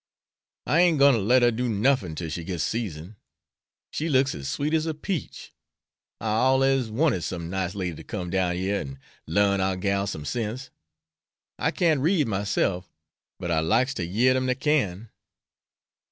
"I ain't goin' to let her do nuffin till she gits seasoned. She looks as sweet as a peach. I allers wanted some nice lady to come down yere and larn our gals some sense. I can't read myself, but I likes ter yere dem dat can."